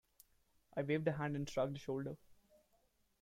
I waved a hand and shrugged a shoulder.